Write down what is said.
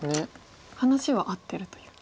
話は合ってるという。